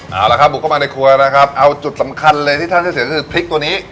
เอาละครับบุกเข้ามาในครัวนะครับเอาจุดสำคัญเลยที่ท่านจะเห็นคือพริกตัวนี้